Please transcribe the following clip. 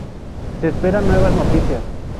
Se esperan nuevas noticias.